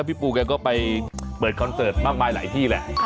พี่ปูแกก็ไปเปิดคอนเสิร์ตมากมายหลายที่แหละ